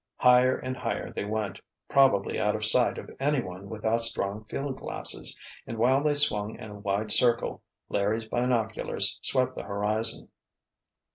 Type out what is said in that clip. Higher and higher they went, probably out of sight of anyone without strong field glasses, and while they swung in a wide circle, Larry's binoculars swept the horizon.